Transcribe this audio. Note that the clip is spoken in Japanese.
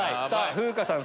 風花さん